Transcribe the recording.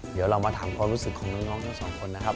เดี๋ยวเรามาถามความรู้สึกของน้องทั้งสองคนนะครับ